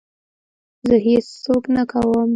زه هېڅ څوک نه کوم.